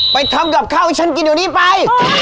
ทำกับข้าวให้ฉันกินเดี๋ยวนี้ไป